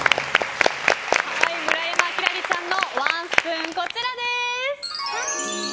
村山輝星ちゃんのワンスプーンこちらです！